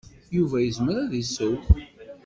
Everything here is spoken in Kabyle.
Yuba yezmer ad iseww.